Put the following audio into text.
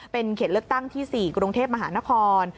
เป็นเขตเลือกตั้งที่๔กรุงเทพมหานคร